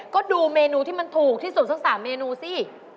ก็ดูเมนูที่มันถูกที่สุดสัก๓เมนูสิ